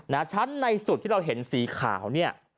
ชั้นในสุดที่เราเห็นสีขาวเนี่ย